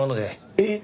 えっ？